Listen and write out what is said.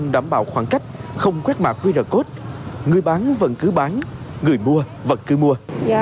từ khoảng cách không quét mạ qr code người bán vẫn cứ bán người mua vẫn cứ mua